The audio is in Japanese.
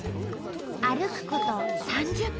歩くこと３０分。